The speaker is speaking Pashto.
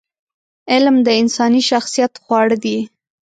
علم د انساني شخصیت خواړه دي.